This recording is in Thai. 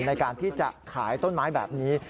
ในการที่จะขายต้นไม้แบบนี้